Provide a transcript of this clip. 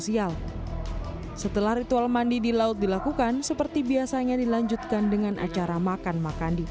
sial setelah ritual mandi di laut dilakukan seperti biasanya dilanjutkan dengan acara makan makan di